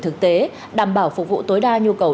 thực tế đảm bảo phục vụ tối đa nhu cầu